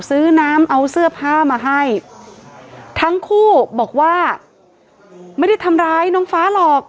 ซื้อน้ำเอาเสื้อผ้ามาให้ทั้งคู่บอกว่าไม่ได้ทำร้ายน้องฟ้าหรอก